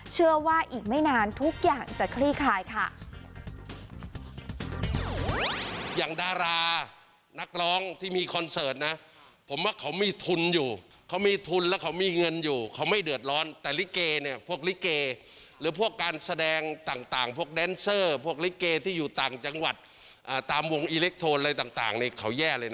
เชื่อว่าอีกไม่นานทุกอย่างจะคลี่คลายค่ะ